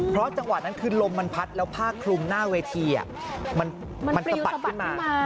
เพราะจังหวะนั้นคือลมมันพัดแล้วผ้าคลุมหน้าเวทีมันสะบัดขึ้นมา